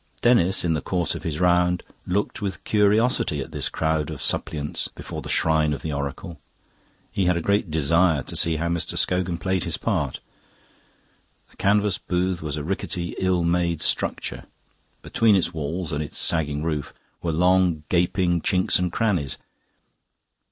Denis, in the course of his round, looked with curiosity at this crowd of suppliants before the shrine of the oracle. He had a great desire to see how Mr. Scogan played his part. The canvas booth was a rickety, ill made structure. Between its walls and its sagging roof were long gaping chinks and crannies.